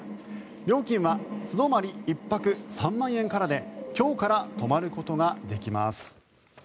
料金は素泊まり１泊３万円からで今日から泊まることができます。